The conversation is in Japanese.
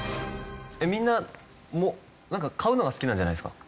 みんな買うのが好きなんじゃないですか？